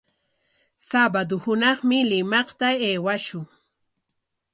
Sabado hunaqmi Limaqta aywashun.